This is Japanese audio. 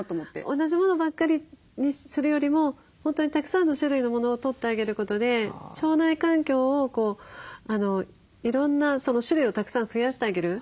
同じものばっかりにするよりも本当にたくさんの種類のものをとってあげることで腸内環境をいろんな種類をたくさん増やしてあげる。